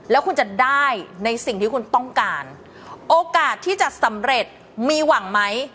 แล้วคุณจะได้ในสิ่งที่คุณต้องการโอกาสที่จะสำเร็จมีหวังไหม